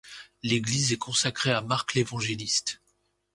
L'église est consacrée à Marc l'Évangéliste.